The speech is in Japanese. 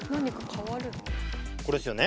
これっすよね。